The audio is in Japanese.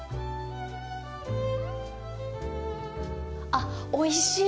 あっ、おいしい。